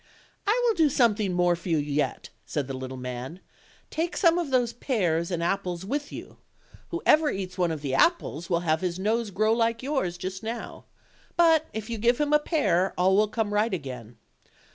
"I will do something more for you yet," said the little man; "take some of those pears and apples with you; whoever eats one of the apples will have his nose grow like yours just now; but if you give him a pear all will come right again.